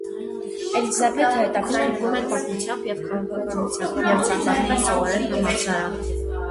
Էլիզաբեթը հետաքրքրվում էր պատմությամբ և քաղաքականությամբ և ցանկանում էր սովորել համալսարանում։